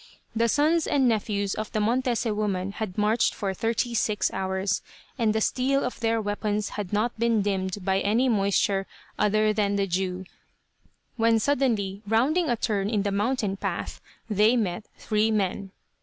The sons and nephews of the Montese woman had marched for thirty six hours, and the steel of their weapons had not been dimmed by any moisture other than the dew, when, suddenly rounding a turn in the mountain path, they met three men.